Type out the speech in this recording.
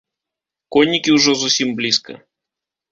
Коннікі ўжо зусім блізка.